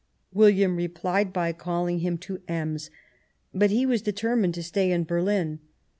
William replied by calling him to Ems ; but he was determined to stay in Berlin.